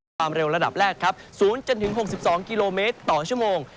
ความเร็วระดับแรกครับ๐จนถึง๖๒กิโลเมตรต่อชั่วโมง